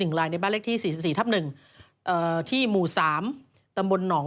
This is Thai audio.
ซึ่งตอน๕โมง๔๕นะฮะทางหน่วยซิวได้มีการยุติการค้นหาที่